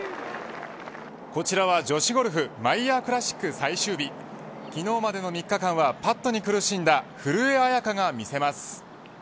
こちらは女子ゴルフマイヤークラシック最終日昨日までの３日間はパットに苦しんだ古江彩佳が見せます。